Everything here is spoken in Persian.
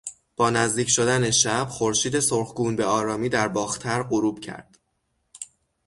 با نزدیک شدن شب خورشید سرخگون به آرامی در باختر غروب کرد.